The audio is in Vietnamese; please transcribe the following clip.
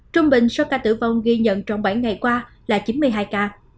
trung bình số ca tử vong ghi nhận trong bảy ngày qua là chín mươi hai ca